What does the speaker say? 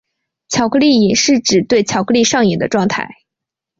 巧克力瘾是指对巧克力上瘾的状态。